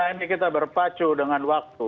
ini kita berpacu dengan waktu